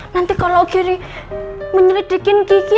nanti kalau geri menyelidikin kiki